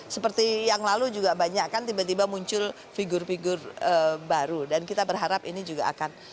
seperti yang lalu juga banyak kan tiba tiba muncul figur figur baru dan kita berharap ini juga akan